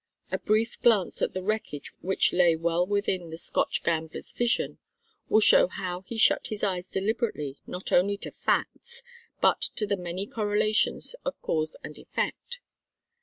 A brief glance at the wreckage which lay well within the Scotch gambler's vision, will show how he shut his eyes deliberately not only to facts, but to the many correlations of cause and effect.